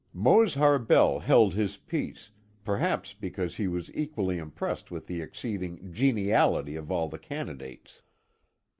Mose Harbell held his peace, perhaps because he was equally impressed with the exceeding "geniality" of all the candidates.